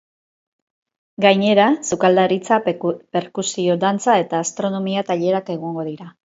Gainera, sukaldaritza, perkusio, dantza eta astronomia tailerrak egongo dira.